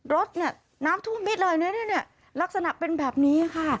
รถเนี่ยน้ำท่วมมิดเลยเนี่ยลักษณะเป็นแบบนี้ค่ะ